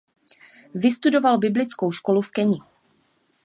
Vystudoval biblickou školu v Keni.